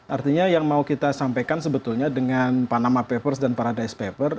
artinya yang mau kita sampaikan sebetulnya dengan panama papers dan paradise paper